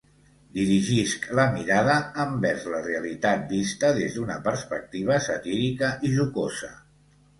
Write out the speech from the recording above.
Dirigisc la mirada envers la realitat vista des d’una perspectiva satírica i jocosa.